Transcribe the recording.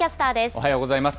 おはようございます。